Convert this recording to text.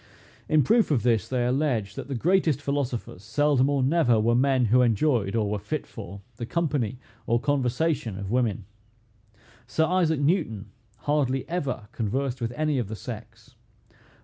In proof of this they allege, that the greatest philosophers seldom or never were men who enjoyed, or were fit for, the company or conversation of women. Sir Isaac Newton hardly ever conversed with any of the sex.